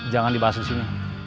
jangan dibahas disini